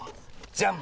じゃん！